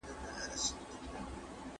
نوموړي غوښتل یو نظري میتود جوړ کړي.